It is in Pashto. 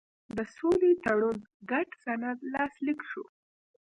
د سولې تړون ګډ سند لاسلیک شو.